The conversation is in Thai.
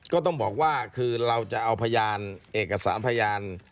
ก็ต้องบอกว่าคือเราจะเอาพยานเอกสารพยาน